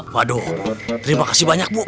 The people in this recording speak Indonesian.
waduh terima kasih banyak bu